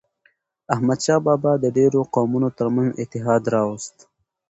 احمدشاه بابا د ډیرو قومونو ترمنځ اتحاد راووست.